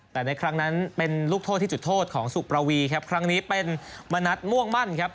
แต่ในครั้งนั้นเป็นลูกโทษที่จุดโทษของสุประวีครับครั้งนี้เป็นมณัฐม่วงมั่นครับ